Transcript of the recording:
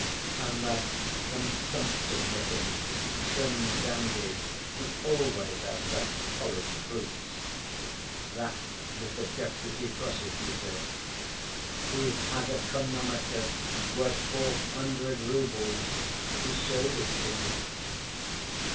And that "consumptive‐looking" trim dandy, "who always has such polished boots"—that was the deputy prosecutor. "He has a chronometer worth four hundred roubles; he showed it to me."